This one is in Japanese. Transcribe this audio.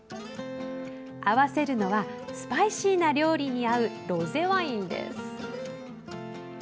合わせるのはスパイシーな料理に合うロゼワインです。